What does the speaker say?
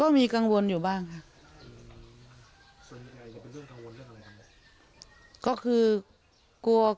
มีกังวลอยู่บ้างค่ะส่วนใหญ่จะเป็นเรื่องกังวลเรื่องอะไรกันไหม